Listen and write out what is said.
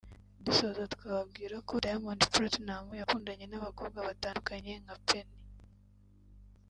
Dusoza twababwira ko Diamond Platnmuz yakundanye n’abakobwa batandukanye nka Penny